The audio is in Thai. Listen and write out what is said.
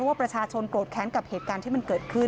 โชว์บ้านในพื้นที่เขารู้สึกยังไงกับเรื่องที่เกิดขึ้น